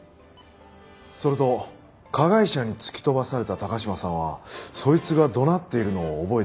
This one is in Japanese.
それと加害者に突き飛ばされた高島さんはそいつが怒鳴っているのを覚えているそうです。